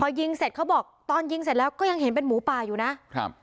พอยิงเสร็จเขาบอกตอนยิงเสร็จแล้วก็ยังเห็นเป็นหมูป่าอยู่นะครับ